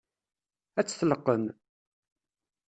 Ad tt-tleqqem?